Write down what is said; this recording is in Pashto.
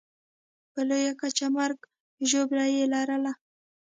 په لویه کچه مرګ ژوبله یې لرله.